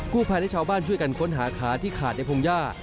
ภายและชาวบ้านช่วยกันค้นหาขาที่ขาดในพงหญ้า